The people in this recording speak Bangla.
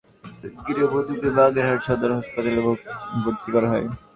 পুলিশের সহযোগিতায় বুধবার দুপুরে গৃহবধূকে বাগেরহাট সদর হাসপাতালে ভর্তি করা হয়।